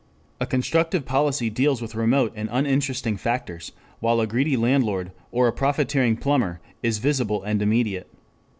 For a constructive policy deals with remote and uninteresting factors, while a greedy landlord, or a profiteering plumber is visible and immediate.